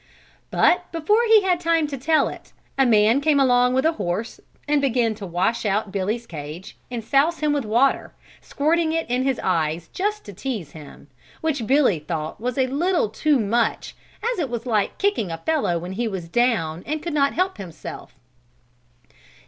But before he had time to tell it a man came along with a hose and began to wash out Billy's cage and souse him with water, squirting it in his eyes just to tease him, which Billy thought was a little too much as it was like kicking a fellow when he was down and could not help himself.